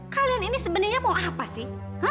kalian ini sebenarnya mau apa sih